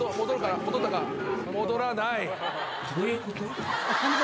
どういうこと？